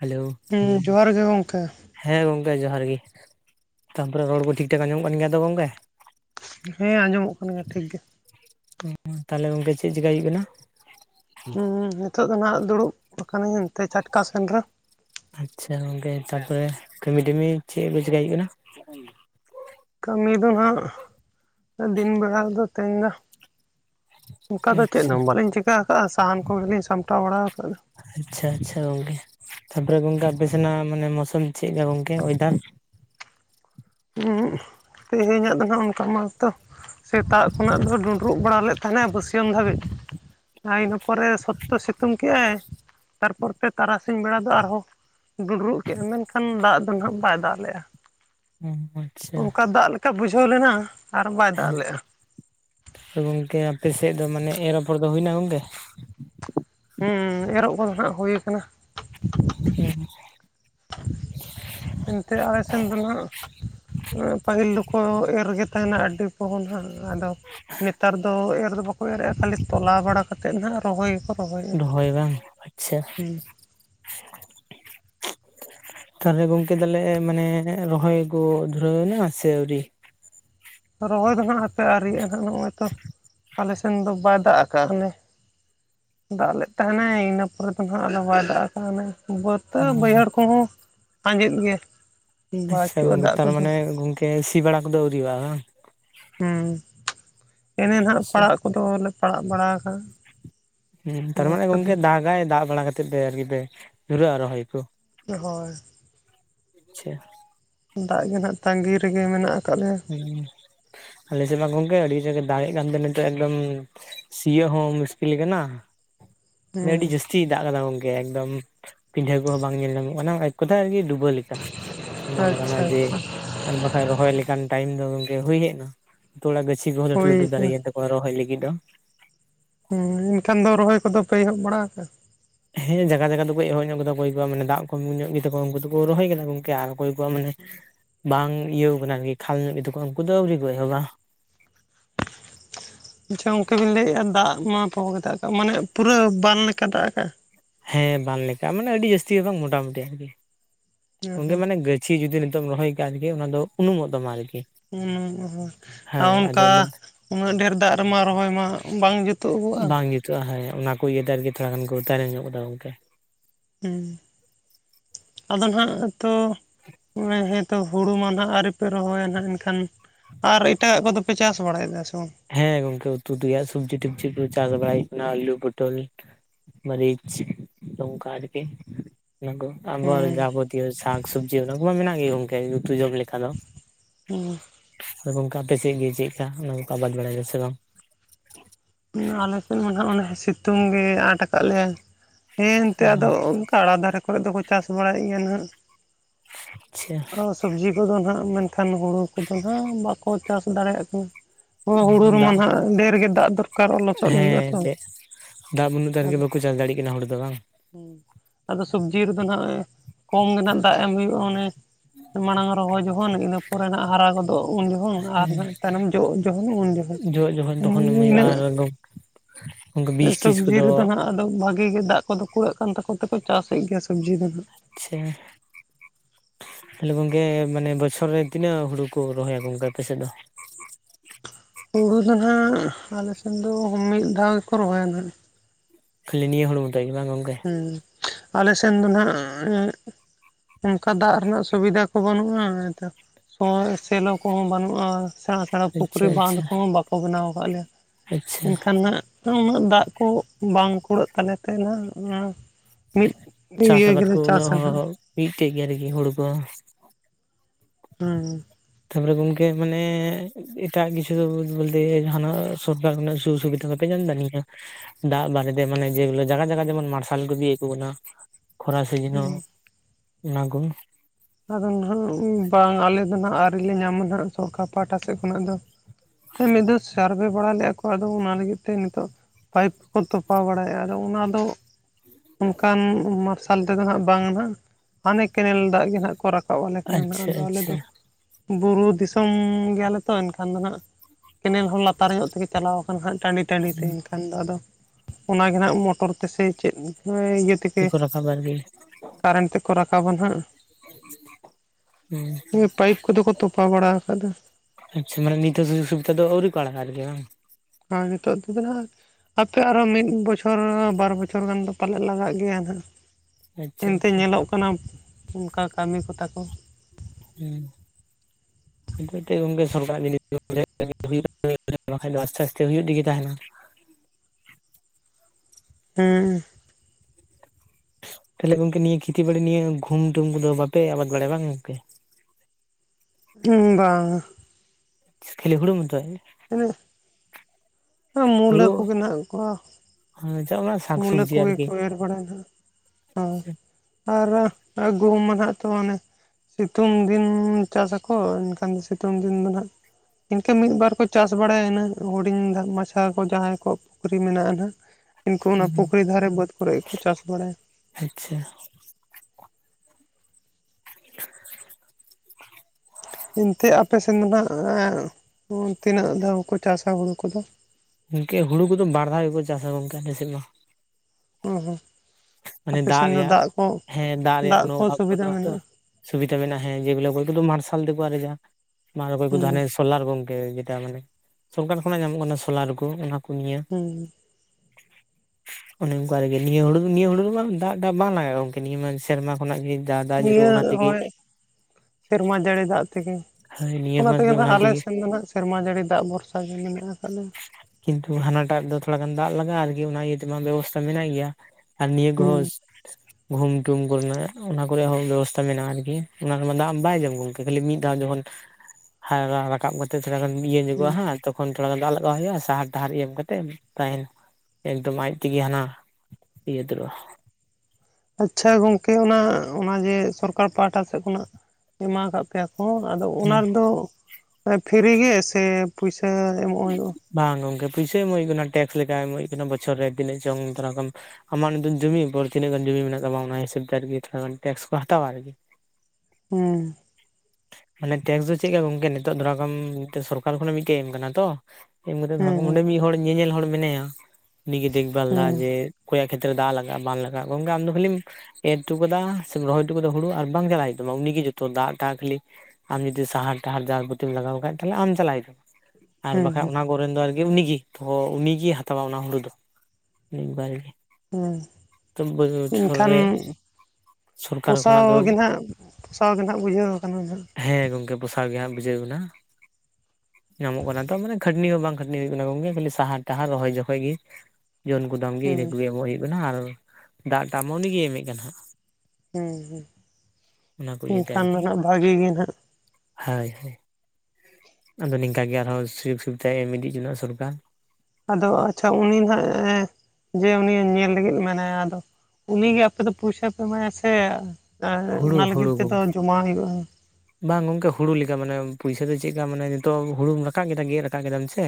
hello ᱦᱮᱸ ᱡᱚᱦᱟᱨ ᱜᱮ ᱜᱚᱝᱠᱮ ᱦᱮᱸ ᱜᱚᱝᱠ ᱜᱚᱝᱠᱮ ᱡᱚᱦᱟᱨ ᱜᱮᱤ ᱛᱟᱯᱚᱨᱮ ᱨᱚᱲ ᱠᱚ ᱴᱷᱤᱠ ᱴᱷᱟᱠ ᱟᱸᱡᱚᱢ ᱠᱟᱱ ᱜᱮᱭᱟ ᱛᱚ ᱜᱚᱝᱠᱮ ᱦᱮᱸ ᱟᱸᱡᱚᱢᱚᱜ ᱠᱟᱱ ᱜᱮᱭᱟ ᱴᱷᱤᱠ ᱜᱮᱭᱟ ᱛᱟᱦᱞᱮ ᱜᱚᱢᱠᱮ ᱪᱮᱫ ᱪᱤᱠᱟᱹᱭ ᱦᱩᱭᱩᱜ ᱠᱟᱱᱟ ᱦᱮᱸ ᱱᱤᱛᱚᱜ ᱫᱚ ᱱᱟᱜ ᱫᱩᱲᱩᱵ ᱟᱠᱟᱱᱟᱹᱧ ᱱᱚᱱᱛᱮ ᱪᱟᱴᱠᱟ ᱥᱮᱱᱨᱮ ᱟᱪᱪᱷᱟ ᱜᱚᱢᱠᱮ ᱛᱟᱨᱯᱚᱨᱮ ᱠᱟᱹᱢᱤᱴᱢᱤ ᱪᱮᱫ ᱠᱚ ᱪᱤᱠᱟᱭ ᱦᱩᱭᱩᱜ ᱠᱟᱱᱟ ᱠᱟᱹᱢᱤ ᱫᱚ ᱦᱟᱸᱜ ᱫᱤᱱ ᱵᱮᱲᱟ ᱫᱚ ᱛᱮᱧ ᱫᱚ ᱚᱱᱠᱟ ᱫᱚ ᱪᱮᱫ ᱦᱚ ᱟᱪᱪᱷᱟ ᱵᱟᱞᱤᱧ ᱪᱤᱠᱟᱹ ᱟᱠᱟᱜᱼᱟ ᱥᱟᱦᱟᱱ ᱠᱚᱜᱮᱞᱤᱧ ᱥᱟᱢᱴᱟᱣ ᱵᱟᱲᱟᱫᱟ ᱟᱪᱪᱷᱟ ᱟᱪᱪᱷᱟ ᱜᱚᱝᱠᱮ ᱛᱟᱯᱚᱨᱮ ᱜᱚᱝᱠᱮ ᱟᱯᱮᱥᱱᱟ ᱢᱟᱱᱮ ᱢᱳᱥᱩᱢ ᱪᱮᱫ ᱞᱮᱠᱟ ᱜᱚᱝᱠᱮ ᱚᱭᱮᱫᱟᱨ ᱦᱮ ᱛᱮᱦᱮᱧᱟᱜ ᱫᱚ ᱦᱟᱸᱜ ᱚᱱᱠᱟ ᱢᱟ ᱛᱚ ᱥᱮᱛᱟᱜ ᱠᱷᱚᱱᱟᱜ ᱫᱚ ᱰᱩᱸᱰᱨᱩᱜ ᱵᱟᱲᱟ ᱞᱮᱫ ᱛᱟᱦᱮᱱᱟ ᱵᱟᱹᱥᱭᱟᱹᱢ ᱫᱷᱟᱹᱵᱤᱡ ᱟᱨ ᱤᱱᱟᱹ ᱯᱚᱨᱮ ᱥᱚᱠᱛᱚ ᱥᱤᱛᱩᱝ ᱠᱮᱜᱼᱟᱭ ᱛᱟᱨᱯᱚᱨᱮ ᱛᱟᱨᱟᱥᱤᱧ ᱵᱮᱲᱟ ᱫᱚ ᱟᱨᱦᱚᱸ ᱰᱩᱰᱨᱩᱜ ᱠᱼᱟ ᱢᱮᱱᱠᱷᱟᱱ ᱫᱟᱜ ᱫᱚ ᱦᱟᱸᱜ ᱵᱟᱭ ᱫᱟᱜ ᱞᱮᱜᱼᱟ ᱦ [unintelligible] ᱟᱪᱪᱷᱟ ᱚᱱᱠᱟ ᱫᱟᱜ ᱞᱮᱠᱟ ᱵᱩᱡᱷᱟᱹᱣ ᱞᱮᱱᱟ ᱟᱨ ᱵᱟᱭ ᱫᱟᱜ ᱞᱮᱜᱼᱟ ᱦᱮᱸ ᱜᱚᱝᱠᱮ ᱟᱯᱮ ᱥᱮᱫ ᱫᱚ ᱢᱟᱱᱮ ᱮᱨ ᱨᱚᱯᱚᱨ ᱫᱚ ᱦᱩᱭᱱᱟ ᱜᱚᱝᱠᱮ ᱦᱩᱸ ᱮᱨᱚᱜ ᱠᱚᱫᱚ ᱱᱟᱦᱜ ᱦᱩᱭ ᱠᱟᱱᱟ ᱦᱮᱸ ᱮᱱᱛᱮᱮᱫ ᱟᱞᱮ ᱥᱮᱱ ᱫᱚ ᱟᱸᱜ ᱯᱟᱹᱦᱤᱞ ᱫᱚᱠᱚ ᱮᱨᱜ ᱛᱟᱦᱮᱱᱟ ᱟᱹᱰᱤ ᱯᱦᱚᱱ ᱦᱟᱸᱜ ᱟᱫᱚ ᱱᱮᱛᱟᱨ ᱫᱚ ᱮ ᱫᱚ ᱵᱟᱠᱚ ᱮᱨᱜᱼᱟ ᱠᱷᱟᱹᱞᱤ ᱛᱚᱞᱟ ᱵᱟᱲᱟ ᱠᱟᱛᱮᱫ ᱱᱟᱦᱟᱜ ᱨᱚᱦᱚᱭ ᱜᱮᱠᱚ ᱨᱚᱦᱚᱭᱮᱜᱼᱟ ᱫᱚᱦᱚᱭ ᱵᱟᱝ ᱟᱪᱪᱷᱟ ᱛᱟᱦᱞᱮ ᱜᱚᱝᱠᱮ ᱛᱟᱞᱮ ᱢᱟᱱᱮ ᱨᱚᱦᱚᱭ ᱠᱚ ᱫᱷᱩᱨᱟᱹᱣ ᱮᱱᱟ ᱥᱮ ᱟᱹᱣᱨᱤ ᱨᱚᱦᱚᱭ ᱫᱚ ᱦᱟᱸᱜ ᱦᱟᱯᱮ ᱟᱹᱮᱜᱼᱟ ᱦᱟᱸᱜ ᱱᱚᱜᱼᱚᱭ ᱛᱚ ᱟᱞᱮ ᱥᱮᱱ ᱫᱚ ᱵᱟᱭ ᱫᱟᱜ ᱟᱠᱟᱫ ᱟᱱᱮ ᱫᱟᱜ ᱞᱮᱫ ᱛᱟᱦᱮᱱᱟᱭ ᱤᱱᱟᱹ ᱯᱚᱨᱮ ᱫᱚ ᱦᱟᱸᱜ ᱟᱫᱚ ᱵᱟᱭ ᱫᱟᱜ ᱛᱟᱦᱮᱱᱟ ᱵᱟᱹᱚᱛ ᱚ ᱵᱟᱹᱭᱦᱟᱹᱲ ᱠᱚᱦᱚᱸ ᱟᱸᱡᱮᱫ ᱜᱮ ᱟᱪᱪᱷᱟ ᱜᱚᱝᱠᱮ ᱛᱟᱨ ᱢᱟᱱᱮ ᱜᱚᱝᱠᱮ ᱥᱤ ᱵᱟᱲᱟ ᱠᱚᱫᱚ ᱟᱹᱣᱨᱤᱼᱟ ᱵᱟᱝ ᱦᱮᱸ ᱮᱱᱮ ᱱᱟᱦᱜ ᱟᱪᱪᱷᱟ ᱯᱟᱲᱟᱜ ᱠᱚᱫᱚᱞᱮ ᱯᱟᱲᱟᱜ ᱵᱟᱲᱟ ᱠᱟᱜ ᱦᱮᱸ ᱛᱟᱨᱢᱟᱱᱮ ᱜᱚᱝᱠᱮ ᱫᱟᱜᱟᱭ ᱫᱟᱜ ᱵᱟᱲᱟ ᱠᱟᱛᱮᱮᱫ ᱯ ᱟᱨᱠᱤ ᱯᱮ ᱧᱩᱨᱟᱹᱜᱼᱟ ᱨᱚᱦᱚᱭ ᱠᱚ ᱦᱳᱭ ᱟᱪᱪᱷᱟ ᱫᱟᱜ ᱜᱮ ᱱᱟᱦᱟᱜ ᱛᱟᱸᱺᱜᱤ ᱨᱮᱜᱮ ᱢᱮᱱᱟᱜᱼᱟ ᱦᱸ ᱟᱞᱮ ᱥᱮᱮᱫ ᱵᱟᱝ ᱜᱚᱝᱠᱮ ᱟᱹᱰᱤ ᱡᱟᱭᱜᱟ ᱫᱟᱲᱮᱜ ᱠᱟᱱᱛᱮ ᱱᱤᱛᱚᱜ ᱮᱠᱫᱚᱢ ᱥᱤᱭᱳᱜ ᱦᱚᱸ ᱢᱩᱥᱠᱤᱞ ᱠᱟᱱᱟ ᱢᱟᱱᱮ ᱟᱹᱰᱤ ᱦᱮᱸ ᱡᱟᱹᱥᱛᱤ ᱫᱟᱜ ᱠᱟᱱᱟᱫᱟ ᱜᱚᱝᱠᱮ ᱮᱠᱫᱚᱢ ᱯᱤᱰᱷᱟᱹ ᱠᱚᱦᱚᱸ ᱵᱟᱝ ᱧᱮᱞ ᱧᱟᱢᱚᱜᱼᱟ ᱮᱠ ᱠᱟᱛᱷᱟ ᱰᱩᱵ ᱟᱹ ᱞᱮᱠᱟ ᱢᱚᱱᱮ ᱠᱟᱱᱟ ᱟᱪᱪᱷᱟ ᱡᱮ ᱟᱪᱪᱷᱟ ᱟᱨ ᱵᱟᱠᱟᱱ ᱨᱚᱦᱚᱭ ᱞᱮᱠᱟᱱ ᱴᱟᱭᱤᱢ ᱫᱚ ᱜᱚᱝᱠᱮ ᱦᱩᱭ ᱦᱮᱡ ᱮᱱᱟ ᱛᱚᱲᱟᱜ ᱜᱟᱹᱪᱷᱤ ᱠᱚᱦᱚᱸ ᱞᱟᱹᱴᱩ ᱞᱟᱹᱴᱩ ᱦᱩᱭ ᱠᱟᱱᱟ ᱫᱟᱨᱮᱭᱭᱟ ᱛᱟᱠᱚᱣᱟ ᱨᱚᱦᱚᱭ ᱞᱟᱹᱜᱤᱫ ᱫᱚ ᱦᱮᱸ ᱮᱱᱠᱷᱟᱱ ᱫᱚ ᱨᱚᱦᱚᱭ ᱠᱚᱫᱚ ᱯᱮ ᱮᱦᱚᱵ ᱵᱟᱲᱟ ᱠᱟᱜᱼᱟ ᱦᱮᱸ ᱡᱟᱭᱜᱟ ᱡᱟᱭᱜᱟ ᱫᱚᱠᱚ ᱮᱦᱚᱵ ᱧᱚᱜ ᱠᱮᱫᱫᱟᱠᱚᱭ ᱠᱚᱣᱟᱜ ᱢᱟᱱᱮ ᱫᱟᱜ ᱠᱚ ᱧᱩ ᱧᱚᱜ ᱜᱮ ᱠᱚᱣᱟ ᱩᱱᱠᱩ ᱫᱚᱠᱚ ᱨᱚᱦᱚᱭ ᱠᱮᱫᱟ ᱜᱚᱝᱠᱮ ᱟᱨ ᱠᱚ ᱠᱚᱣᱟ ᱢᱟᱱᱮ ᱵᱟᱝ ᱤᱭᱟᱹᱣ ᱠᱟᱱᱟ ᱟᱨᱠᱤ ᱠᱷᱟᱞ ᱧᱚᱜ ᱴ ᱠᱚ ᱩᱱᱠᱩ ᱫᱚ ᱟᱹᱣᱨᱤ ᱠᱚ ᱮᱦᱚᱵᱟ ᱟᱪᱪᱷᱟ ᱚᱱᱠᱮ ᱵᱤᱱ ᱞᱟᱹᱭᱮᱜᱼᱟ ᱫᱟᱜ ᱢᱟ ᱯᱷᱚ ᱜᱮ ᱫᱟᱜᱟᱜ ᱢᱟᱱᱮ ᱯᱩᱨᱟᱹ ᱵᱟᱱ ᱞᱮᱠᱟ ᱫᱟᱜ ᱟᱠᱟᱫ ᱦᱮᱸ ᱵᱟᱝ ᱞᱮᱠᱟ ᱢᱟᱱᱮ ᱟᱹᱰᱤ ᱡᱟᱹᱥᱛᱤ ᱫᱚ ᱵᱟᱝ ᱢᱚᱴᱟᱢᱩᱴᱤ ᱟᱨᱠᱤ ᱜᱮ ᱢᱟᱱᱮ ᱜᱟᱹᱪᱷᱤ ᱡᱩᱫᱤ ᱱᱤᱛᱚᱜᱢ ᱨᱚᱦᱚᱭ ᱠᱟᱜᱼᱟᱠᱤ ᱚᱱᱟ ᱫᱚ ᱩᱱᱩᱢᱚᱜ ᱛᱟᱢᱟ ᱟᱨᱠᱤ ᱦᱩᱸ ᱟᱨ ᱦᱳᱭ ᱟᱫᱚ ᱚᱱᱠᱟ ᱱᱤᱛ ᱩᱱᱟᱹᱜ ᱰᱷᱮᱨ ᱫᱟᱜ ᱨᱮᱢᱟ ᱨᱚᱦᱚᱭ ᱢᱟ ᱵᱟᱝ ᱡᱩᱛᱩᱜᱚᱜᱼᱟ ᱵᱟᱝ ᱡᱩᱛᱩᱜᱼᱟ ᱦᱳᱭ ᱚᱱᱟ ᱠᱚ ᱤᱭᱟᱹᱛᱮᱜᱮ ᱛᱷᱚᱲᱟ ᱜᱟᱱ ᱠᱚᱛᱟᱨ ᱧᱚᱜ ᱠᱟᱫᱟ ᱜᱚᱝᱠᱮ ᱦᱮᱸ ᱟᱫᱚ ᱱᱟᱟᱜ ᱛᱚ ᱛᱚ ᱦᱩᱲᱩ ᱢᱟ ᱱᱟᱦᱟᱜ ᱟᱹᱣᱨᱤᱯᱮ ᱨᱚᱦᱚᱭᱟ ᱱᱟᱟᱜ ᱮᱱᱠᱷᱟᱱ ᱟᱨ ᱮᱴᱟᱜᱟᱜ ᱠᱚᱫᱚᱯᱮ ᱪᱟᱥ ᱵᱟᱲᱟᱭᱮᱫᱟ ᱥᱮ ᱵᱟᱝ ᱦᱮᱸ ᱜᱚᱝᱠᱮ ᱩᱛᱩ ᱛᱮᱭᱟ ᱥᱚᱵᱽᱡᱤ ᱴᱚᱵᱡᱤ ᱠᱚ ᱪᱟᱥ ᱵᱟᱲᱟᱭᱟ ᱚᱱᱟ ᱟᱹᱞᱩ ᱯᱚᱴᱚᱞ ᱢᱟᱹᱨᱤᱪ ᱱᱚᱝᱠᱟ ᱟᱨᱠᱤ ᱚᱱᱟ ᱠᱚ ᱟᱵᱟᱨ ᱦᱮᱸ ᱡᱟᱵᱚᱛᱤᱭᱚ ᱥᱟᱠ ᱥᱚᱵᱽᱡᱤ ᱚᱱᱟ ᱠᱚᱢᱟ ᱢᱮᱱᱟᱜ ᱜᱮ ᱜᱚᱝᱠᱮ ᱥᱩᱡᱚᱜᱽ ᱞᱮᱠᱟ ᱫᱚ ᱟᱫᱚ ᱜᱚᱝᱠᱟ ᱟᱯᱮ ᱥᱮᱫ ᱜᱮ ᱪᱮᱫ ᱞᱮᱠᱟ ᱚᱱᱟ ᱟᱵᱟᱡᱽ ᱵᱟᱲᱟᱭ ᱜᱮ ᱥᱮ ᱵᱟᱝ ᱟᱞᱮ ᱥᱮᱫ ᱢᱟ ᱜ ᱚᱱᱮ ᱥᱤᱛᱩᱝ ᱜᱮ ᱟᱴ ᱠᱟᱜ ᱞᱮᱭᱟ ᱦᱮᱸ ᱮᱱᱛᱜ ᱚ ᱟᱫᱚ ᱚᱱᱠᱟ ᱟᱲ ᱫᱷᱟᱨᱮ ᱠᱚᱨᱮ ᱫᱚᱠᱚ ᱪᱟᱥ ᱵᱟᱲᱟᱭᱮᱫ ᱜᱮᱭᱟ ᱟᱪᱪᱷᱟ ᱦᱜ ᱥᱚᱵᱡᱤ ᱠᱚᱫᱚ ᱱᱟᱜ ᱢᱮᱱᱠᱷᱟᱱ ᱦᱩᱲᱩ ᱠᱚᱫᱚ ᱱᱟᱦᱜ ᱵᱟᱠᱚ ᱪᱟᱥ ᱫᱟᱲᱮᱭᱟᱜ ᱠᱟᱱᱟ ᱦ ᱦᱩᱲᱩᱩᱨ ᱫᱟᱜ ᱢᱟᱱ ᱰᱮᱨ ᱜᱮ ᱫᱟᱜ ᱫᱚᱨᱠ ᱦᱮᱸ ᱮᱱᱛᱮᱫ ᱫᱟᱜ ᱵᱟᱹᱱᱩᱜ ᱛᱟᱭ ᱨᱮᱜᱮ ᱟᱫᱚ ᱵᱟᱠᱚ ᱪᱟᱥ ᱫᱟᱲᱮᱭᱟᱜ ᱠᱟᱱᱟ ᱦᱚᱲᱩᱲ ᱫᱚ ᱵᱟᱝ ᱟᱫᱚ ᱥᱚᱵᱡᱤ ᱨᱮᱫᱚ ᱜᱼᱚᱭ ᱠᱚᱢ ᱜᱮ ᱫᱟᱜ ᱮᱢ ᱦᱩᱭᱩᱜᱼᱟ ᱚᱱᱮ ᱢᱟᱲᱟᱝ ᱨᱚᱦᱚᱭ ᱡᱚᱠᱷᱚᱱ ᱤᱱᱟᱹ ᱯᱚᱨᱮᱱᱟᱜ ᱦᱟᱨᱟ ᱜᱚᱫ ᱛᱚ ᱩᱱ ᱡᱚᱠᱷᱚᱱ ᱟᱨ ᱦᱮᱸ ᱛᱟᱭᱱᱚᱢ ᱡᱚᱜ ᱡᱚᱠᱷᱚᱱ ᱩᱱ ᱡᱚᱠᱷᱚᱱ ᱡᱚᱜ ᱡᱚᱠᱷᱚᱱ ᱛᱚᱠᱷᱚᱱ ᱮᱢ ᱦᱩᱭᱩᱜᱼᱟ ᱤᱱᱟᱹᱜ ᱟᱨ ᱜᱚᱝᱠᱮ ᱵᱤᱥ ᱴᱤᱥ ᱥᱚᱵᱡᱤ ᱠᱚᱫᱚ ᱨᱮᱫᱚ ᱱᱟᱜ ᱟᱫᱚ ᱵᱷᱟᱜᱮ ᱵᱷᱟᱹᱜᱤ ᱜᱮ ᱫᱟᱜ ᱠᱚᱫᱚᱩ ᱠᱩᱲᱟᱹᱜ ᱠᱟᱱ ᱛᱟᱠᱚ ᱛᱮᱠᱚ ᱪᱟᱥᱮᱫ ᱜᱮᱭᱟ ᱥᱚᱵᱡᱤ ᱫᱚ ᱱᱟᱦᱟᱜ ᱟᱪᱪᱷᱟ ᱛᱟᱦᱚᱞᱮ ᱜᱚᱝᱠᱮ ᱢᱟᱱᱮ ᱵᱚᱪᱷᱚᱨ ᱨᱮ ᱛᱤᱱᱟᱹᱜ ᱦᱩᱲᱩ ᱠᱚ ᱨᱚᱦᱚᱭᱟ ᱜᱚᱢᱠᱮ ᱟᱯᱮ ᱥᱮᱫ ᱫᱚ [inaudible] ᱦᱩᱲᱩ ᱫᱚ ᱦᱟᱸᱜ ᱟᱞᱮ ᱥᱮᱫ ᱫᱚ ᱢᱤᱫ ᱫᱷᱟᱣ ᱜᱮᱠᱚ ᱨᱚᱦᱚᱭᱟ ᱱᱟᱟᱸᱜ ᱠᱷᱟᱹᱞᱤ ᱱᱤᱭᱟᱹ ᱦᱩᱲᱩᱢ ᱛᱟᱭ ᱜᱮ ᱵᱟᱝ ᱜᱚᱢᱠᱮ ᱟᱞᱮ ᱥᱮᱱ ᱫᱚ ᱦᱟᱸᱜ ᱚᱱᱠᱟ ᱫᱟᱜ ᱨᱮᱱᱟᱜ ᱥᱩᱵᱤᱫᱷᱟ ᱠᱚ ᱵᱟᱹᱱᱩᱜᱼᱟ ᱥᱮᱞᱚ ᱠᱚᱦᱚᱸ ᱵᱟᱹᱱᱩᱜᱼᱟ ᱥᱮᱲᱟ ᱥᱮᱲᱟ ᱟᱪᱪᱷᱟ ᱯᱩᱠᱷᱨᱤ ᱵᱟᱸᱫᱷ ᱟᱪᱪᱷᱟ ᱠᱚᱦᱚᱸ ᱵᱟᱠᱚ ᱵᱮᱱᱟᱣ ᱟᱠᱟᱫ ᱞᱮᱭᱟ ᱟᱪᱪᱷᱟ ᱮᱱᱠᱷᱟᱱ ᱦᱟᱸᱜ ᱩᱱᱟᱹᱜ ᱫᱟᱜ ᱠᱚ ᱵᱟᱝ ᱠᱩᱲᱟᱹᱜ ᱛᱟᱞᱮ ᱛᱮ ᱚᱱᱟ ᱢᱤᱫ ᱤᱭᱟᱹ ᱜᱮᱞᱮ ᱪᱟᱥ-ᱟ ᱠᱮᱫ ᱜᱮᱭᱟ ᱟᱨᱠᱤ ᱦᱩᱲᱩ ᱠᱚ ᱦᱮᱸ ᱛᱟᱯᱚᱨᱮ ᱜᱚᱝᱠᱮ ᱢᱟᱱᱮ ᱮᱴᱟᱜ ᱠᱤᱪᱷᱩ ᱫᱚ ᱵᱚᱞᱛᱮ ᱡᱟᱦᱟᱱᱟᱜ ᱥᱚᱨᱠᱟᱨᱱᱟᱜ ᱥᱩᱡᱳᱜ ᱥᱩᱵᱤᱫᱷᱟ ᱠᱚᱯᱮ ᱟᱹᱡᱚᱢ ᱫᱟᱹᱤᱧ ᱫᱟᱜ ᱵᱟᱨᱮ ᱛᱮ ᱢᱟᱱᱮ ᱡᱮ ᱡᱟᱭᱜᱟ ᱡᱟᱭᱜᱟ ᱡᱮᱢᱚᱱ ᱢᱟᱨᱥᱟᱞ ᱠᱚ ᱵᱤᱜ ᱟᱠᱩ ᱠᱟᱱᱟ ᱠᱷᱚᱨᱟ ᱥᱤᱡᱮᱱᱚ ᱦᱩᱸ ᱦᱚᱸ ᱚᱱᱟᱱᱟ ᱠᱩ ᱟᱫᱚ ᱵᱟᱝ ᱟᱞᱮ ᱫᱚ ᱱᱟᱜ ᱟᱹᱣᱨᱤ ᱞᱮ ᱧᱟᱢᱟ ᱦᱟᱜ ᱥᱚᱨᱠᱟᱨ ᱯᱟᱦᱟᱴᱟ ᱥᱮᱫ ᱠᱷᱚᱱᱟᱜ ᱫᱚ ᱢᱤᱫ ᱫᱷᱟᱣ ᱥᱟᱨᱵᱷᱮ ᱵᱟᱲᱟ ᱞᱮᱫᱼᱟ ᱠᱚ ᱟᱫᱚ ᱚᱱᱟ ᱞᱟᱹᱜᱤᱫ ᱛᱮ ᱱᱤᱛᱚᱜ ᱯᱟᱭᱤᱯ ᱠᱚᱠᱚ ᱛᱚᱯᱟ ᱵᱟᱲᱟᱭᱮᱫᱟ ᱟᱫᱚ ᱚᱱᱟ ᱫᱚ ᱚᱱᱠᱟᱱ ᱢᱟᱨᱥᱟᱞ ᱛᱮᱫᱚ ᱦᱟᱜ ᱵᱟᱝ ᱱᱟᱦᱟᱜ ᱦᱟᱱᱮ ᱠᱮᱱᱮᱞ ᱫᱟᱜ ᱜᱮ ᱱᱟᱦᱟᱜ ᱠᱚ ᱨᱟᱠᱟᱵ ᱟᱞᱮ ᱠᱟᱱᱟ ᱱᱟᱱᱟᱜ ᱟᱪᱪᱷᱟ ᱟᱫᱚ ᱟᱞᱮ ᱫᱚ ᱟᱪᱪᱷᱟ ᱵᱩᱨᱩ ᱫᱤᱥᱚᱢ ᱜᱮᱭᱟᱞᱮ ᱛᱚ ᱮᱱᱠᱷᱟᱱ ᱫᱚ ᱦᱟᱸᱜ ᱠᱮᱱᱮᱞ ᱦᱚᱸ ᱞᱟᱛᱟᱨ ᱧᱚᱜ ᱛᱮᱜᱮ ᱪᱟᱞᱟᱣ ᱟᱠᱟᱱᱟ ᱦᱟᱸᱜ ᱴᱟᱺᱰᱤ ᱴᱟᱺᱰᱤ ᱛᱟᱦᱮᱱ ᱠᱷᱟᱱ ᱫᱚ ᱟᱫᱚ ᱚᱱᱟᱜᱮ ᱱᱟᱦᱟᱜ ᱢᱚᱴᱚᱨ ᱛᱮᱥᱮ ᱪᱮᱫ ᱱᱚᱜᱚᱭ ᱤᱭᱟᱹ ᱛᱮᱜᱮ ᱛᱤᱠᱚ ᱨᱟᱠᱟᱵᱟ ᱟᱨᱠᱤ ᱠᱟᱨᱮᱱᱴ ᱛᱮᱠᱚ ᱨᱟᱠᱟᱵᱟ ᱱᱟᱟᱜ [inaudible] ᱦᱩᱸ ᱦᱮᱸ ᱯᱟᱭᱤᱯ ᱠᱚᱫᱚ ᱠᱚ ᱛᱚᱯᱟ ᱵᱟᱲᱟ ᱟᱠᱟᱫᱟ ᱟᱪᱷᱟ ᱢᱟᱱᱮ ᱱᱤᱛ ᱫᱚ ᱥᱩᱡᱳᱜᱽ ᱥᱩᱵᱤᱫᱷᱟ ᱫᱚ ᱟᱹᱣᱨᱤ ᱠᱚ ᱟᱲᱟᱜᱟ ᱟᱨ ᱵᱟᱝ ᱦᱳᱭ ᱱᱤᱛᱳᱜ ᱛᱮᱫ ᱦᱟᱸᱜ ᱦᱟᱯᱮ ᱟᱨᱦᱚ ᱢᱤᱫ ᱵᱚᱪᱷᱚᱨ ᱵᱟᱨ ᱵᱚᱪᱷᱚᱨ ᱜᱟᱱ ᱫᱚ ᱯᱟᱞᱮᱫ ᱞᱟᱜᱟᱜ ᱜᱮᱭᱟ ᱟᱪᱪᱷᱟ ᱮᱱᱛᱮ ᱟᱪᱪᱷᱟ ᱧᱮᱞᱚᱜ ᱠᱟᱱᱟ ᱚᱱᱠᱟ ᱠᱟᱹᱢᱤ ᱠᱚᱛᱟ ᱠᱚ ᱦᱮᱸ ᱮ ᱜᱚᱝᱠᱮ ᱥᱚᱨᱠᱟᱨ ᱡᱤᱱᱤᱥ ᱦᱩᱭᱩᱜ [unintelligible] ᱵᱟᱠᱷᱟᱱ ᱫᱚ ᱟᱥᱛᱮ ᱟᱥᱛᱮ ᱦᱩᱭᱩᱜ ᱛᱮᱜᱮ ᱛᱟᱦᱮᱸᱱᱟ ᱦᱮᱸ ᱛᱟᱦᱞᱮ ᱜᱚᱝᱠᱮ ᱱᱤᱭᱟᱹ ᱠᱷᱮᱛᱤ ᱵᱟᱲᱤ ᱱᱤᱭᱟᱹ ᱜᱩᱦᱩᱢ ᱴᱩᱦᱩᱢ ᱠᱚᱫᱚ ᱵᱟᱯᱮ ᱟᱵᱟᱫ ᱵᱟᱲᱟᱭᱟ ᱵᱟᱝ ᱜᱚᱝᱠᱮ [inaudible] ᱵᱟᱝ ᱠᱷᱟᱞᱤ ᱦᱩᱲᱩ ᱢᱚᱛᱚᱡ ᱟᱱᱮ ᱢᱩᱞᱟᱹ ᱦᱩᱲᱩ ᱠᱚᱜᱮ ᱢᱮᱱᱟᱜ ᱠᱚᱣᱟ ᱪᱮᱫ ᱚᱱᱟ ᱥᱟᱠ ᱢᱩᱞᱟᱹ ᱥᱚᱵᱽᱡᱤ ᱠᱚᱜᱮ ᱟᱨᱠᱤ ᱠᱚ ᱮᱨ ᱵᱟᱲᱟᱭᱟ ᱦᱮᱸ ᱟᱨ ᱜᱩᱦᱩᱢ ᱱᱟᱦᱟᱜ ᱛᱚ ᱚᱱᱮ ᱥᱤᱛᱩᱝ ᱫᱤᱱ ᱪᱟᱥ ᱟᱠᱚ ᱮᱱᱠᱷᱟᱱ ᱫᱚ ᱥᱤᱛᱩᱝ ᱫᱤᱱ ᱫᱚ ᱱᱟᱦᱟᱜ ᱤᱱᱠᱟᱹ ᱢᱤᱫ ᱵᱟᱨ ᱠᱚ ᱪᱟᱥ ᱵᱟᱲᱟᱭᱟ ᱩᱱᱟᱹᱜ ᱦᱩᱰᱤᱧ ᱫᱚ ᱢᱟ ᱦᱚᱭᱥᱟ ᱠᱚ ᱡᱟᱦᱟᱸᱭ ᱠᱚ ᱯᱩᱠᱷᱨᱤ ᱢᱮᱱᱟᱜ ᱩᱱᱤᱱᱠᱩ ᱚᱱᱟ ᱯᱩᱠᱷᱨᱤ ᱫᱷᱟᱨᱮ ᱵᱟᱹᱫᱽ ᱠᱚᱨᱮ ᱜᱮᱠᱚ ᱪᱟᱥ ᱵᱟᱲᱟᱭᱟ ᱟᱪᱪᱷᱟ [inaudible] ᱮᱱᱛᱮᱜ ᱟᱯᱮ ᱥᱮᱱ ᱫᱚ ᱱᱟᱜ ᱛᱤᱱᱟᱹᱜ ᱫᱷᱟᱣ ᱠᱚ ᱪᱟᱥᱟ ᱦᱩᱲᱩ ᱠᱚᱫᱚ ᱜᱚᱢᱠᱮ ᱦᱩᱲᱩ ᱠᱚᱫᱚ ᱵᱟᱨ ᱫᱷᱟᱣ ᱜᱮᱠᱚ ᱪᱟᱥᱟ ᱜᱚᱢᱠᱮ ᱟᱞᱮ ᱥᱮᱫ ᱢᱟ ᱦᱮᱸ ᱦᱩᱸ ᱢᱟᱱᱮ ᱟᱯᱮ ᱥᱮᱱ ᱫᱚ ᱨᱮᱭᱟᱜ ᱫᱟᱜ ᱠᱚ ᱦᱮᱸ ᱫᱟᱜ ᱨᱮᱭᱟᱜ ᱠᱳᱱᱳ ᱠᱚ ᱚᱵᱷᱟᱵ ᱥᱩᱵᱤᱫᱷᱟ ᱵᱟᱹᱱᱩᱜᱼᱟ ᱛᱚ ᱢᱮᱱᱟᱜᱼᱟ ᱥᱩᱵᱤᱫᱟ ᱢᱮᱱᱟᱜᱼᱟᱮᱸ ᱡᱮ ᱠᱚ ᱢᱟᱨᱥᱟᱞ ᱛᱮᱠᱚ ᱟᱨᱮᱡᱟ ᱢᱟ ᱚᱠᱚᱭ ᱠᱚ ᱦᱩᱸ ᱦᱟᱱᱮ ᱥᱳᱞᱟᱨ ᱜᱚᱝᱠᱮ ᱡᱮᱴᱟ ᱢᱟᱱᱮ ᱥᱚᱨᱠᱟᱨ ᱠᱷᱚᱱᱟᱜ ᱧᱟᱢᱚᱜ ᱠᱟᱱᱟ ᱥᱳᱞᱟᱨ ᱠᱚ ᱚᱱᱟ ᱠᱚ ᱱᱤᱭᱟᱹ ᱦᱮᱸ ᱚᱱᱮ ᱚᱱᱠᱟ ᱨᱮᱜᱮ ᱱᱤᱭᱟᱹ ᱦᱩᱲᱩ ᱱᱤᱭᱟᱹ ᱦᱩᱲᱩ ᱫᱚ ᱫᱟᱜ ᱫᱟᱜ ᱵᱟᱝ ᱞᱟᱜᱟᱣᱼᱟᱠ ᱢᱟᱱ ᱥᱮᱨᱢᱟ ᱠᱷᱚᱱᱟᱜ ᱡ ᱱᱤᱭᱟᱹ ᱦᱚᱜᱭ ᱥᱮᱨᱢᱟ ᱡᱟᱹᱲᱤ ᱫᱟᱜ ᱛᱮᱜᱮ ᱦᱳᱭ ᱱᱤᱭᱟᱹ ᱚᱱᱟ ᱢᱟ ᱛᱮᱜᱮ ᱦᱜ ᱟᱞᱮ ᱥᱮᱱ ᱫᱚ ᱜ ᱥᱮᱨᱢᱟ ᱡᱟᱹᱲᱤ ᱫᱟᱜ ᱵᱷᱚᱨᱥᱟ ᱜᱮ ᱢᱮᱱᱟᱜ ᱟᱠᱟᱫ ᱞᱮ ᱠᱤᱱᱛᱩ ᱦᱟᱱᱟ ᱴᱟᱜᱤ ᱫᱚᱷᱚᱲ ᱜ ᱫᱟᱜ ᱞᱟᱜᱼᱟ ᱟᱨᱤ ᱚᱱᱟ ᱤᱭᱟᱹ ᱛᱮᱢᱟ ᱵᱮᱵᱚᱥᱛᱷᱟ ᱢᱮᱱᱟᱜ ᱜᱮᱭᱟ ᱟᱨ ᱱᱤᱭᱟᱹ ᱦᱩᱸ ᱠᱚᱚᱸᱩ ᱠᱩᱴᱩᱢ ᱠᱚᱨᱮᱱᱟᱜ ᱚᱱᱟ ᱠᱚᱨᱮ ᱦᱚᱸ ᱵᱮᱵᱚᱥᱛᱟ ᱢᱮᱱᱟᱜᱼᱟ ᱟᱨᱠᱤ ᱚᱱᱟᱢᱟ ᱫᱟᱜ ᱵᱟᱭ ᱡᱚᱢ ᱜᱚᱢᱠᱮᱭᱟ ᱠᱷᱟᱹᱞᱤ ᱢᱤᱫ ᱫ ᱡᱚᱠᱷᱚᱱ ᱦ ᱨᱟᱠᱟᱵ ᱠᱟᱛᱮ ᱛᱷᱚᱲᱟ ᱜᱟᱱ ᱤᱭᱟᱹ ᱦᱩᱸ ᱧᱚᱜᱚᱜᱼᱟ ᱦ ᱛᱚᱠᱷᱚᱱ ᱛᱷᱚᱲᱟ ᱜᱟᱱ ᱫᱟᱜ ᱞᱟᱜᱟᱣ ᱦᱩᱭᱩᱜᱼᱟ ᱥᱟᱦᱟᱨ ᱰᱟᱦᱟᱨ ᱮᱢ ᱠᱟᱛᱮᱮᱫ ᱛᱟᱦᱮᱱ ᱮᱠᱫᱚᱢ ᱟᱡ ᱛᱮᱜᱮ ᱦᱟᱱᱟ ᱫᱨ ᱟᱪᱪᱷᱟ ᱜᱚᱝᱠᱮ ᱚᱱᱟ ᱚᱱᱟ ᱡᱮ ᱥᱚᱨᱠᱟᱨ ᱯᱟᱦᱴᱟ ᱥᱮᱫ ᱠᱷᱚᱱᱟᱜ ᱮᱢᱢᱟ ᱟᱠᱟᱫ ᱯᱮᱭᱟ ᱟᱫᱚ ᱦᱮᱸ ᱚᱱᱟ ᱨᱮᱫᱚ ᱯᱷᱤᱨᱤ ᱜᱮ ᱥᱮ ᱯᱩᱭᱥᱟ ᱵᱟᱝ ᱜᱚᱝᱠᱮ ᱯᱚᱭᱥᱟᱹ ᱮᱢ ᱦᱩᱭ ᱠᱟᱱᱟ ᱴᱮᱠᱥᱠᱟᱭ ᱮᱢᱚᱜ ᱦᱩᱭᱩᱜ ᱠᱟᱱᱟ ᱵᱚᱪᱷᱚᱨ ᱨᱮ ᱛᱤᱱᱟᱹᱜ ᱪᱚᱝ ᱛ ᱟᱢ ᱱ ᱡᱩᱤ ᱯᱚᱨᱤᱱᱟ ᱜᱟᱱ ᱡᱚᱢ ᱢᱮᱱᱟᱜ ᱛᱟᱢᱟ ᱚᱱᱟ ᱦᱟᱹᱵᱽ ᱦᱤᱥᱟᱹᱵ ᱟᱨᱠᱤ ᱛᱷᱚᱲᱟᱟᱱ ᱴᱮᱠᱥ ᱠᱚ ᱦᱟᱛᱟᱣᱟ ᱟᱨᱠᱤ ᱦᱮᱸ ᱢᱟᱱᱮ ᱴᱮᱠᱥ ᱫᱚ ᱪᱮᱫ ᱜᱚᱢᱠᱮ ᱱᱤᱛᱚᱜ ᱫᱷᱚᱨᱟ ᱠᱢ ᱥᱚᱨᱠᱟᱨ ᱠᱷᱚᱱᱟᱜ ᱢᱤᱫᱴᱮᱱ ᱮᱢ ᱠᱟᱱᱟ ᱛᱚ ᱤ ᱦᱩᱸ ᱚᱸᱰᱮ ᱢᱤᱫ ᱦᱚᱲ ᱧᱮᱧᱮᱞ ᱦᱚᱲ ᱢᱮᱱᱟᱭᱟ ᱩᱱᱤᱜᱮ ᱫᱮᱠᱵᱞ ᱫᱫᱟ ᱦᱩᱸ ᱡᱮ ᱚᱠᱚᱭᱟᱜ ᱠᱷᱮᱛᱨᱮ ᱫᱟᱜᱼᱟ ᱵᱟᱝ ᱞᱟᱜᱼᱟ ᱜᱚᱢᱠᱮ ᱟᱢ ᱠᱷᱤᱢ ᱮᱨᱴᱩ ᱠᱟᱫᱟ ᱥᱮ ᱨᱚᱦᱚᱭᱴ ᱠᱟ ᱠᱮᱫᱫᱟ ᱦᱩ ᱵᱟᱝ ᱪᱟᱞᱟᱜ ᱦᱩᱭᱩᱜ ᱛᱟᱢᱟ ᱴ ᱜᱮ ᱡᱚᱛᱚ ᱫᱟᱜ ᱫᱟᱜᱠᱞᱤ ᱟᱢ ᱡᱩᱫᱤ ᱥᱟᱦᱟᱨ ᱴᱟᱦᱟᱨ ᱡᱟᱵᱩᱛᱤᱢ ᱞᱟᱜᱟᱣ ᱠᱷᱟᱱᱡ ᱛᱟᱦᱦᱮ ᱟᱢ ᱪᱟᱞᱟᱣ ᱦᱤᱡᱩᱜᱼᱟ ᱟᱨ ᱦᱩᱸ ᱵᱟᱠᱷᱟᱡ ᱦᱩᱸ ᱚᱱᱟ ᱠᱚᱨᱮᱱ ᱫᱚᱠ ᱩᱱᱤᱜᱮ ᱛᱚᱚ ᱩᱱᱤᱜᱤᱭᱭ ᱦᱟᱛᱟᱣᱟ ᱚᱱᱟ ᱦᱩᱲᱩ ᱫᱚ ᱢᱤᱫ ᱵᱟᱨᱜᱮ ᱦᱮᱸ ᱮᱱᱠᱷᱟᱱ ᱨᱮ ᱥᱚᱨᱠᱟᱨ ᱯᱚᱥᱟᱣ ᱠᱷᱚᱱᱟᱜ ᱫᱚ ᱜᱮ ᱦᱟᱸᱜ ᱯᱚᱥᱟᱣ ᱜᱮ ᱱᱟᱦᱜ ᱵᱩᱡᱷᱟᱹᱣ ᱠᱟᱱᱟ ᱦᱟᱸᱜ ᱦᱮᱸ ᱜᱚᱝᱠᱮ ᱯᱚᱥᱟᱣ ᱜᱮ ᱦᱟᱸᱜ ᱵᱩᱡᱷᱟᱹᱣᱱᱟ ᱧᱟᱢᱚᱜ ᱠᱟᱱᱟ ᱛᱚ ᱢᱟᱱᱮ ᱠᱷᱟᱹᱴᱱᱤ ᱦᱚᱸ ᱵᱟᱝ ᱠᱷᱟᱹᱴᱱᱤ ᱦᱩᱭᱩᱜ ᱠᱟᱱᱟ ᱜᱚᱢᱠᱮ ᱠᱷᱟᱹᱞᱤ ᱥᱟᱦᱟᱨ ᱴᱟᱦᱟᱨ ᱨᱚᱦᱚᱭ ᱡᱚᱠᱷᱚᱡ ᱜᱮ ᱡᱚᱱ ᱠᱚ ᱫᱟᱢ ᱜᱮ ᱦᱩᱸ ᱤᱱᱟᱹ ᱠᱚᱜᱮ ᱮᱢᱚᱜ ᱦᱩᱭᱩᱜ ᱠᱟᱱᱟ ᱟᱨ ᱫᱟᱜ ᱴᱟᱜᱟ ᱩᱱᱤᱜᱭ ᱮᱢᱮᱫ ᱠᱟᱱᱟᱜ ᱦᱮᱸ ᱦᱮᱸ ᱠᱚ ᱤᱭᱟᱹᱛᱮ ᱮᱱᱠᱷᱟᱱ ᱫᱚ ᱟᱨᱠᱤ ᱦᱱᱟᱜ ᱵᱷᱟᱜᱤ ᱜᱮ ᱱᱟᱱᱟᱜ ᱦᱳᱭ ᱦᱳᱭ ᱟᱫᱚ ᱱᱤᱝᱠᱟᱜᱮ ᱟᱨᱦᱚᱸ ᱥᱩᱡᱳᱜᱽ ᱥᱩᱵᱤᱫᱷᱟᱭ ᱮᱢ ᱤᱫᱤᱜ ᱦᱚ ᱡᱚ ᱥᱚᱨᱠᱟᱨ ᱟᱫᱚ ᱟᱪᱪᱷᱟ ᱩᱱᱤ ᱱᱟᱟᱜ ᱮ ᱡᱮ ᱩᱱᱤ ᱧᱮᱞ ᱞᱟᱹᱜᱤᱫ ᱢᱮᱱᱟᱭᱟ ᱟᱫᱚ ᱩᱱᱤᱜᱮ ᱟᱯᱮ ᱫᱚ ᱯᱚᱭᱥᱟ ᱯᱮ ᱮᱢᱟᱭᱟ ᱥᱮ ᱦᱩᱲᱩ ᱚᱱᱟ ᱞᱟᱹᱜᱤᱫ ᱦᱩᱲᱩ ᱛᱮᱫᱚ ᱜᱚᱝᱠᱮ ᱡᱚᱢᱟ ᱦᱩᱭᱩᱜᱼᱟ ᱦᱩᱸ ᱵᱟᱝ ᱜᱚᱝᱠᱮ ᱦᱩᱲᱩ ᱞᱮᱠᱟ ᱢᱟᱱᱮ ᱯᱚᱭᱥᱟᱹ ᱫᱚ ᱪᱮᱫᱠᱟ ᱢᱟᱱᱮ ᱡᱤᱛᱚᱜ ᱦᱩᱲᱩᱢ ᱨᱟᱠᱟᱵ ᱠᱮᱫᱟ ᱜᱮᱫ ᱨᱟᱠᱟᱵ ᱠᱮᱫᱟᱢ ᱥᱮ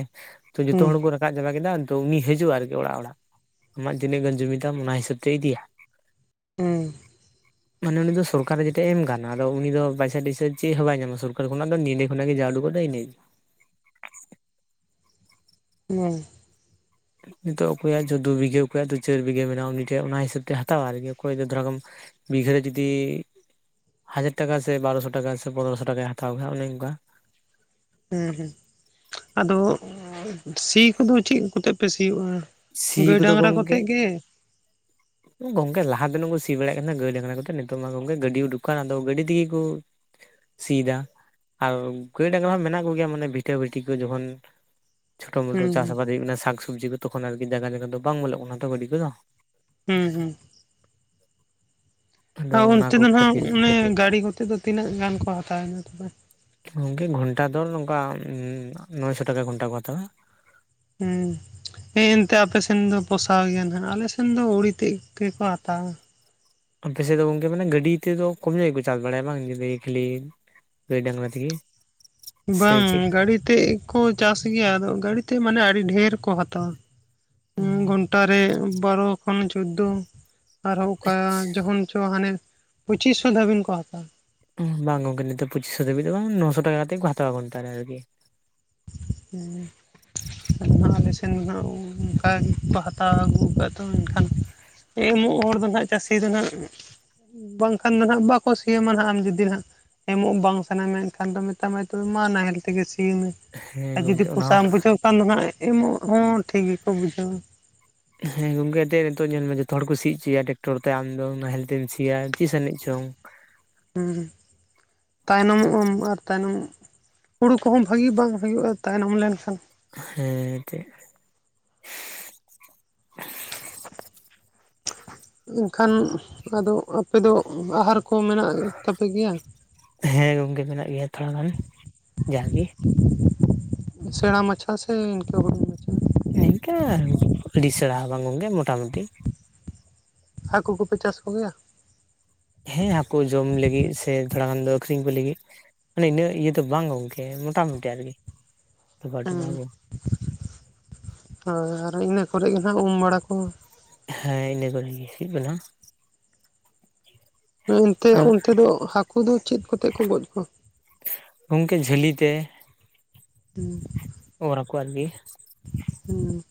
ᱛᱚ ᱡᱚᱛᱚ ᱦᱩ ᱠᱚ ᱨᱟᱠᱟᱵ ᱪᱟᱵᱟ ᱠᱮᱫᱟ ᱛᱳ ᱩᱱᱤ ᱦᱤᱡᱩᱜᱼᱟ ᱟᱨᱠᱤ ᱚᱲᱟᱜ ᱚᱲᱟᱜ ᱟᱢᱟᱜ ᱛᱤᱱᱟᱹᱜ ᱜᱟᱱ ᱡᱩᱢᱤᱫᱟᱢ ᱚᱱᱟ ᱦᱤᱥᱟᱹᱵ ᱛᱮ ᱤᱫᱤᱭᱟ ᱦᱮᱸ ᱢᱟᱱᱮ ᱩᱱᱤ ᱫᱚ ᱥᱚᱨᱠᱟᱨᱮ ᱡᱮᱴᱟᱭ ᱮᱢ ᱟᱠᱟᱱᱟ ᱟᱫᱚ ᱩᱱᱤᱤᱫ ᱫᱚ ᱯᱚᱭᱥᱟ ᱴᱚᱭᱤᱥᱟ ᱪᱮᱫ ᱦᱚᱸ ᱵᱟᱭᱟᱢᱟ ᱥᱚᱨᱠᱟᱨ ᱠᱷᱚ ᱫᱚ ᱱ ᱧᱤᱫᱰᱮ ᱠᱷᱚᱱᱟᱜ ᱜᱮ ᱡᱟᱣ ᱩᱰᱩ ᱜᱚᱜ ᱱᱟᱟᱹᱭ ᱱᱟ ᱦᱮᱸ ᱱᱤᱛᱚᱜ ᱚᱠᱚᱭᱟᱜ ᱡᱚ ᱫᱩ ᱵᱤᱜᱷᱟᱹ ᱚᱠᱚᱭᱟᱜ ᱫᱚ ᱪᱟᱹᱨ ᱵᱤᱜᱷ ᱢᱮᱱᱟᱜᱼᱟ ᱩᱱᱤ ᱴᱷᱮᱱ ᱚᱱᱟ ᱦᱤᱥᱟᱹᱵ ᱛᱮ ᱦᱟᱛᱟᱣᱟ ᱟᱨᱠ ᱚᱠᱚᱭ ᱫᱚ ᱫᱷᱚᱨᱟᱢ ᱵᱤᱜᱷᱟᱹ ᱨᱮ ᱡᱩᱫᱤ ᱦᱟᱡᱟᱨ ᱴᱟᱠᱟ ᱥᱮ ᱵᱟᱨᱚᱥᱚ ᱴᱟᱠᱟ ᱥᱮ ᱯᱚᱱᱨᱚᱥᱚ ᱴᱟᱠᱟᱭ ᱦᱟᱛᱟᱣ ᱠᱮᱫᱟ ᱚᱱᱮ ᱚᱱᱠᱟ ᱦᱮᱸ ᱦᱮᱸ ᱟᱫᱚ ᱥᱤ ᱠᱚᱫᱚ ᱪᱮᱫ ᱠᱚᱛᱮ ᱯᱮ ᱥᱤᱭᱳᱜᱼᱟ ᱥᱤ ᱜᱟᱹᱭ ᱠᱚᱫᱚ ᱰᱟᱝᱨᱟ ᱠᱚᱛᱮ ᱜᱚᱝᱠᱮ ᱜᱮ ᱜᱚᱝᱠᱮ ᱞᱟᱦᱟ ᱡᱟᱦᱟᱸ ᱫᱚᱱᱟᱹᱜ ᱠᱚ ᱥᱤ ᱵᱟᱲᱟᱭᱮᱫ ᱛᱟᱦᱮᱱᱟ ᱜᱟᱹᱭ ᱞᱟᱝᱜᱽᱲᱟ ᱠᱟ ᱠᱟᱛᱮᱮᱫ ᱱᱤᱛᱚᱜ ᱢᱟ ᱜᱚᱢᱠᱮ ᱜᱟᱹᱰᱤ ᱩᱰᱩᱠᱟᱱ ᱟᱫᱚ ᱜᱟᱹᱰᱤ ᱛᱮᱜᱮ ᱠᱚ ᱥᱟ ᱟᱨ ᱜᱟᱹᱭ ᱰᱟᱝᱨᱟ ᱦᱚᱸ ᱢᱮᱱᱟᱜ ᱠᱚᱜᱮᱭᱟ ᱢᱟᱱᱮ ᱵᱷᱤᱴᱷᱟᱹᱵᱟᱹᱴᱤ ᱠᱚ ᱡᱚᱠᱷᱚᱱ ᱪᱷᱳᱴᱳ ᱢᱴᱳ ᱦᱩᱸ ᱪᱟᱥ ᱟᱵᱟᱫ ᱦᱩᱭᱩᱜ ᱠᱟᱱᱟ ᱥᱟᱠᱥᱚᱵᱽᱡᱤ ᱠᱚ ᱛᱚᱠᱷᱚᱱ ᱟᱨᱠᱤ ᱡᱟᱭᱜᱟ ᱡᱟᱭᱜᱟ ᱫᱚ ᱵᱟᱝ ᱵᱚᱞᱚᱜ ᱠᱟᱱᱟ ᱛᱚ ᱜᱟᱹᱰᱤ ᱠᱚᱫᱚ ᱦᱮᱸ ᱦᱮᱸ ᱟᱫᱚ ᱟᱨ ᱚᱱᱟ ᱚᱱᱛᱮ ᱠᱚ ᱫᱚ ᱱᱟᱦᱜ ᱠᱷᱟᱹᱛᱤᱨ ᱚᱱᱮ ᱜᱟᱹᱲᱤ ᱠᱚᱛᱮ ᱫᱚ ᱛᱤᱱᱟᱹᱜ ᱜᱟᱱ ᱠᱚ ᱦᱟᱛᱟᱣᱮᱱᱟ ᱛᱚᱵᱮ ᱜᱚᱢᱠᱮ ᱜᱷᱚᱱᱴᱟ ᱫᱚ ᱱᱚᱝᱠᱟ ᱱᱚᱭᱥᱚ ᱴᱟᱠᱟ ᱜᱷᱚᱱᱴᱟ ᱠᱚ ᱦᱟᱛᱟᱣᱟ ᱦᱮᱸ ᱦᱮᱸ ᱮᱱᱛᱮᱜ ᱟᱯᱮ ᱥᱮᱱ ᱫᱚ ᱯᱚᱥᱟᱣ ᱜᱮᱭᱟ ᱦᱜ ᱟᱞᱮ ᱥᱮᱱ ᱫᱚ ᱟᱹᱲ ᱛᱮᱫ ᱜᱮᱠᱚ ᱦᱟᱛᱟᱣᱟ ᱟᱯᱮ ᱥᱮᱫ ᱫᱚ ᱜᱚᱝᱠᱮ ᱢᱟᱱᱮ ᱜᱟᱹᱰᱤ ᱛᱮᱫᱚ ᱠᱚᱢ ᱡᱟᱭᱜᱟ ᱜᱮ ᱠᱚ ᱪᱟᱥ ᱵᱟᱲᱟᱭᱟ ᱵᱟᱝ ᱡᱩᱫᱤ ᱠᱷᱮᱞᱤ ᱜᱟᱹᱭ ᱰᱟᱝᱨᱟ ᱛᱮᱜᱤ ᱵᱟᱝ ᱜᱟᱹᱲᱤ ᱛᱮᱠᱩ ᱪᱟᱥ ᱜᱮᱭᱟ ᱟᱫᱚ ᱜᱟᱹᱲᱤ ᱛᱮ ᱢᱟᱱᱮ [unintelligible] ᱟᱹᱰᱤ ᱰᱷᱮᱨ ᱠᱚ ᱦᱟᱛᱟᱣᱟ ᱩᱸ ᱜᱷᱚᱱᱴᱟᱨᱮ ᱵᱟᱨᱚ ᱠᱷᱚᱱ ᱪᱳᱫᱫᱳ ᱟᱨᱦᱚᱸ ᱚᱠᱟ ᱡᱚᱦᱚᱱ ᱪᱚ ᱦᱟᱱᱮ ᱯᱩᱪᱤᱥ ᱥᱚ ᱫᱷᱟᱹᱵᱤᱡ ᱠᱚ ᱦᱟᱛᱟᱣᱟ ᱚᱸ ᱵᱟᱝ ᱜᱚᱢᱠᱮ ᱱᱤᱛᱚᱜ ᱯᱚᱸᱪᱤᱥ ᱥᱚ ᱫᱷᱟᱹᱵᱤᱡ ᱫᱚ ᱵᱟᱝ ᱱᱚᱥᱚ ᱴᱟᱠᱟ ᱠᱟᱛᱮᱫ ᱠᱚ ᱦᱟᱛᱣᱟ ᱜᱷᱚᱱᱟ ᱨᱮ ᱟᱨᱠᱤ [unintelligible] [unintelligible] ᱟᱞᱮ ᱥᱮᱱ ᱫᱚ ᱦᱟᱜ ᱚᱱᱠᱟ ᱠᱚ ᱦᱟᱛᱟᱣ ᱟᱹᱜᱩ ᱟᱠᱟᱫᱟ ᱮᱱᱠᱷᱟᱱ ᱮᱸ ᱩᱢᱩᱜ ᱦᱚᱲ ᱫᱚ ᱦᱟᱸᱜ ᱪᱟᱹᱥᱤ ᱫᱚ ᱦᱟᱸᱜ ᱵᱟᱝᱠᱷᱟᱱ ᱫᱚ ᱦᱟᱜ ᱵᱟᱠᱚ ᱥᱤ ᱟᱢᱟ ᱦᱟᱜ ᱟᱢ ᱡᱩᱫᱤ ᱦᱟᱜ ᱮᱢᱚᱜ ᱵᱟᱝ ᱥᱟᱱᱟᱭ ᱢᱮᱱᱠᱷᱟᱱ ᱫᱚ ᱢᱮᱛᱟᱢᱟᱭ ᱫᱩ ᱢᱟ ᱱᱟᱦᱮᱞ ᱤᱫᱤᱢᱮ ᱤᱭᱩ ᱟᱨ ᱦᱮᱸ ᱡᱩᱫᱤ ᱜᱚᱝᱠᱮ ᱚᱱᱟ ᱯᱚᱥᱟᱢ ᱦᱚᱸ ᱵᱩᱡᱷᱟᱹᱣ ᱠᱷᱟᱱ ᱫᱚ ᱦᱟᱸᱜ ᱮᱢᱚᱜ ᱦᱚᱸ ᱴᱷᱤᱠ ᱜᱮᱠᱚ ᱵᱩᱡᱷᱟᱹᱣᱟ ᱦᱮᱸ ᱜᱚᱢᱠᱮ ᱟᱛᱮ ᱱᱤᱛᱚᱜ ᱧᱮᱞ ᱢᱮ ᱡᱚᱛᱚ ᱦᱚᱲ ᱠᱚ ᱥᱤᱜ ᱪᱚᱭᱟ ᱴᱮᱠᱴᱚᱨ ᱛᱮ ᱟᱢᱫᱚ ᱱᱟᱦᱮᱞ ᱛᱮᱢ ᱥᱤᱭᱟ ᱛᱤᱥ ᱟᱹᱱᱤᱡᱽ ᱪᱚᱝ ᱛᱟᱭᱱᱚᱢᱚᱜᱼᱟᱢ ᱟᱨ ᱛᱟᱭᱱᱚᱢ ᱦᱩᱲᱩ ᱠᱚᱦᱚᱸ ᱵᱷᱟᱹᱜᱤ ᱵᱟᱝ ᱦᱩᱭᱩᱜᱼᱟ ᱛᱟᱭᱱᱚᱢ ᱞᱮᱱᱠᱷᱟᱱ ᱦᱮᱸ ᱜᱮᱸ ᱮᱱᱠᱷᱟᱱ ᱟᱫᱚ ᱟᱯᱮ ᱫᱚ ᱟᱦᱟᱨ ᱠᱚ ᱢᱮᱱᱟᱜ ᱛᱟᱯᱮ ᱜᱮᱭᱟ ᱦᱮᱸ ᱜᱚᱝᱠᱮ ᱢᱮᱱᱟᱜ ᱜᱮᱭᱟ ᱛᱷᱚᱲᱟ ᱜᱟᱱ ᱡᱟᱼᱜᱤ ᱥᱮᱬᱟ ᱢᱟᱪᱷᱟ ᱥᱮ ᱤᱱᱠᱟᱹ ᱦᱩᱰᱤᱧ ᱢᱟᱪᱷᱟ ᱱᱤᱝᱠᱟᱹ ᱟᱹᱰᱤ ᱥᱮᱬᱟ ᱵᱟᱝ ᱜᱚᱢᱠᱮ ᱢᱳᱴᱟᱢᱩᱴᱤ ᱦᱟᱹᱠᱩ ᱠᱚᱯᱮ ᱪᱟᱥ ᱠᱚᱜᱮᱭᱟ ᱦᱮᱸ ᱦᱟᱹᱠᱩ ᱡᱚᱢ ᱞᱟᱹᱜᱤᱫ ᱥᱮ ᱛᱷᱚᱲᱟ ᱜᱟᱱ ᱫᱚ ᱟᱠᱷᱨᱤᱧ ᱠᱚ ᱞᱟᱹᱜᱤᱫ ᱢᱟᱱᱮ ᱤᱱᱟᱹᱜ ᱤᱭᱟᱹ ᱫᱚ ᱵᱟᱝ ᱜᱚᱝᱠᱮ ᱢᱳᱴᱟᱢᱩᱴᱤ ᱟᱨᱠᱤ ᱰᱚᱵᱷᱟ ᱦᱩᱸ ᱰᱚᱵᱷᱟ ᱠᱚ ᱦᱚᱭ ᱟᱨ ᱤᱱᱟᱹ ᱠᱚᱨᱮ ᱜᱮᱦᱟᱜ ᱩᱢ ᱵᱟᱲᱟ ᱠᱚ ᱦᱮᱸ ᱤᱱᱟᱹ ᱠᱚᱨᱮᱜᱮ ᱦᱩᱭᱩᱜ ᱠᱟᱱᱟ ᱮᱱᱛᱮ ᱟᱨ ᱚᱱᱛᱮ ᱫᱚ ᱦᱟᱹᱠᱩ ᱫᱚ ᱪᱮᱫ ᱠᱚᱛᱮ ᱠᱚ ᱜᱚᱡ ᱠᱚᱣᱟ ᱜᱚᱝᱠᱮ ᱡᱷᱟᱹᱞᱤ ᱛᱮ ᱦᱩᱸ ᱚᱣᱟᱨ ᱠᱩᱣᱟ ᱞᱮ ᱦᱩᱸ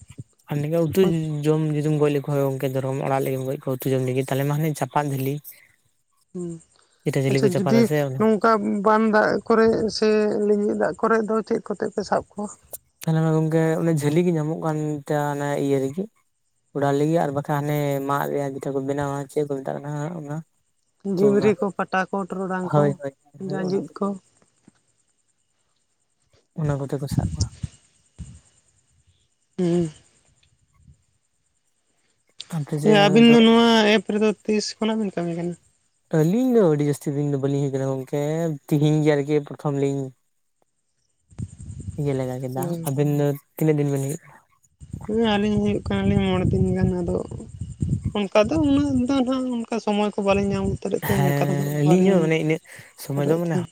ᱟᱨ ᱱᱤᱠᱟᱹ ᱩᱛᱩ ᱦᱳᱭ ᱡᱚᱢ ᱡᱤ ᱡᱩᱢ ᱜᱚᱡ ᱞᱮᱠᱚ ᱦᱚᱭ ᱜᱚᱝᱠᱮ ᱫᱚᱨᱦᱚᱢ ᱚᱲᱟᱜ ᱞᱟᱹᱜᱤᱫ ᱜᱚᱡ ᱠᱩ ᱩᱛᱩ ᱡᱚᱢ ᱞᱟᱹᱜᱤᱫ ᱛᱟᱦᱞᱮ ᱢᱟ ᱦᱟᱱᱮ ᱪᱟᱯᱟᱫ ᱫᱷᱟᱹᱞᱤ ᱦᱩᱸ ᱟᱪᱪᱷᱟ ᱡᱩᱫᱤ ᱚᱱᱟ ᱱᱚᱝᱠᱟ ᱵᱟᱱ ᱫᱟᱜ ᱠᱚᱨᱮ ᱥᱮ ᱞᱤᱸᱡᱤ ᱫᱟᱜ ᱠᱚᱨᱮ ᱫᱚ ᱪᱮᱫ ᱠᱚᱛᱮ ᱯᱮ ᱥᱟᱵ ᱠᱚᱣᱟ ᱛᱟᱦᱞᱮ ᱜᱚᱝᱠᱮ ᱚᱱᱮ ᱡᱷᱟᱹᱞᱤ ᱜᱮ ᱧᱟᱢᱚᱜ ᱠᱟᱱ ᱛᱮᱭᱟ ᱚᱱᱟ ᱤᱭᱟᱹ ᱨᱮᱜᱮ ᱚᱰᱟᱣ ᱞᱮᱜᱤᱭᱟ ᱟᱨ ᱵᱟᱠᱷᱟᱱ ᱦᱟᱱᱮ ᱢᱟᱫ ᱨᱮᱭᱟᱜ ᱡᱮᱴᱷᱟᱹ ᱠᱚ ᱵᱮᱱᱟᱣᱟ ᱪᱮᱫ ᱠᱚ ᱢᱮᱛᱟᱜ ᱠᱟᱱᱟ ᱦᱟᱜ ᱚᱱᱟ ᱛᱳ ᱚᱱᱟ ᱡᱤᱢᱨᱤ ᱠᱚ ᱯᱟᱴᱟ ᱠᱚ ᱴᱚᱨᱚᱰᱟᱝ ᱠᱚ ᱦᱳᱭ ᱦᱳᱭ ᱦᱳᱭ ᱚᱱᱟ ᱡᱟᱸᱡᱤᱫ ᱠᱚᱜᱮ ᱠᱚ ᱚᱱᱟ ᱠᱚᱛᱮ ᱠᱚ ᱥᱟᱵ ᱠᱚᱣᱟ ᱩᱸ ᱟᱯᱮ ᱦᱮᱸ ᱥᱮᱫ ᱟᱹᱵᱤᱱ ᱫᱚ ᱱᱚᱣᱟ ᱮᱯ ᱨᱮᱫᱚ ᱛᱤᱥ ᱠᱷᱚᱱᱟᱜ ᱵᱤᱱ ᱠᱟᱹᱢᱤ ᱠᱟᱱᱟ ᱟᱹᱞᱤᱧ ᱫᱚ ᱟᱹᱰᱤ ᱡᱟᱹᱥᱛᱤ ᱫᱤᱱ ᱫᱚ ᱵᱟᱹᱞᱤᱧ ᱦᱩᱭ ᱟᱠᱟᱱᱟ ᱜᱚᱝᱠᱮ ᱛᱮᱦᱤᱧ ᱜᱮ ᱟᱨᱠᱤ ᱯᱨᱚᱛᱷᱚᱢ ᱞᱤᱧ ᱤᱭᱟᱹ ᱞᱮᱜᱟ ᱠᱮᱫᱟ ᱟᱵᱤᱱ ᱫᱚ ᱛᱤᱱᱟᱹᱜ ᱫᱤᱱ ᱵᱤᱱ ᱦᱩᱭᱩᱜ ᱠᱟᱱᱟ ᱦᱮᱸ ᱦᱩᱭᱩᱜ ᱟᱹᱞᱤᱧ ᱢᱚᱬᱮ ᱫᱤᱱ ᱜᱟᱱ ᱟᱫᱚ ᱚᱱᱠᱟ ᱫᱚ ᱩᱱᱟᱹᱜ ᱫᱚ ᱦᱟᱜ ᱚᱱᱠᱟ ᱥᱚᱢᱚᱭ ᱠᱚ ᱵᱟᱞᱤᱧ ᱧᱟᱢ [unintelligible] ᱠᱟᱱᱟ ᱛᱮᱢ ᱚᱱᱠᱟ ᱦᱮᱸ ᱫᱚᱦᱟᱜ ᱟᱹᱞᱤᱧ ᱦᱚᱸ ᱵᱟᱞᱤᱧ ᱢᱟᱱᱮ ᱤᱱᱟᱹᱜ ᱥᱚᱢᱚᱭ ᱫᱚ ᱠᱚᱨᱟᱣᱮᱫ ᱢᱟᱱᱮ ᱛᱟᱦᱮᱸᱱ